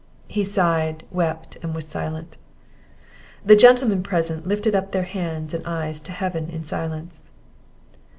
He sighed, wept, and was silent. The gentlemen present lifted up their hands and eyes to Heaven in silence.